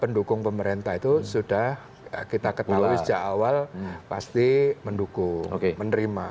pendukung pemerintah itu sudah kita ketahui sejak awal pasti mendukung menerima